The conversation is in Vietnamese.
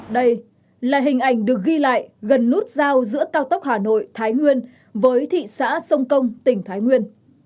đây là hình ảnh được ghi lại gần nút giao giữa cao tốc hà nội thái nguyên với thị xã sông công tỉnh thái nguyên